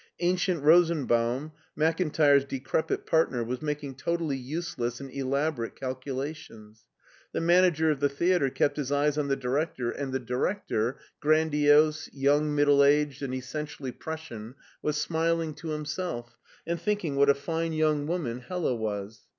Ancient Rosenbatun, Mak intire's decrepit partner, was making totally useless and elaborate calculations. The manager of the diea ter kept his eyes on the director, and the director— LEIPSIC 163 grandiose, young middle aged and essentially Prus sian — ^was smiling to himself, and thinking what a fine young woman Hella was.